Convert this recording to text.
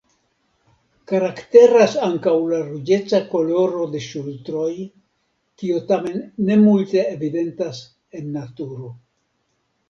Karakteras ankaŭ la ruĝeca koloro de ŝultroj, kio tamen ne multe evidentas en naturo.